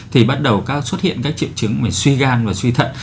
thì bắt đầu xuất hiện các triệu chứng về suy gan và suy thận